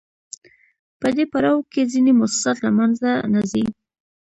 په دې پړاو کې ځینې موسسات له منځه نه ځي